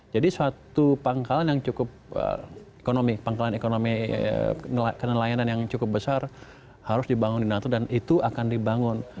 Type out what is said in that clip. jadi suatu pangkalan yang cukup ekonomi pangkalan ekonomi kenelayanan yang cukup besar harus dibangun di natuna dan itu akan dibangun